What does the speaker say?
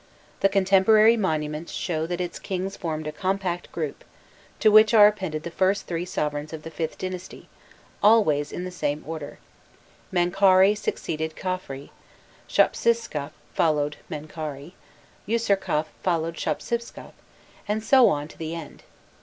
The contemporary monuments show that its kings formed a compact group, to which are appended the first three sovereigns of the Vth dynasty, always in the same order: Menkauri succeeded Khafri, Shopsiskaf followed Menkauri, Usirkaf followed Shopsiskaf, and so on to the end.